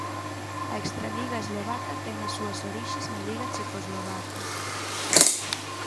A Extraliga Eslovaca ten as súas orixes na Liga Checoslovaca.